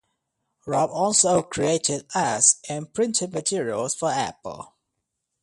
Rob also created ads and printed materials for Apple.